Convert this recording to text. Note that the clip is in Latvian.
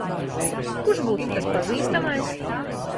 Kurš būtu tas pazīstamais?